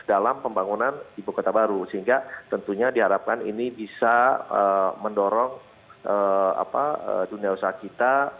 dalam pembangunan ibu kota baru sehingga tentunya diharapkan ini bisa mendorong dunia usaha kita